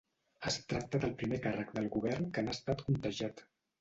Es tracta del primer càrrec del govern que n’ha estat contagiat.